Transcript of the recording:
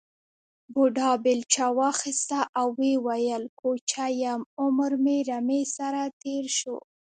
بوډا بېلچه واخیسته او وویل کوچی یم عمر مې رمې سره تېر شو.